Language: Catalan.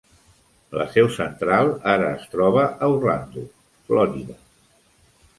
La seu central ara es troba a Orlando, Florida.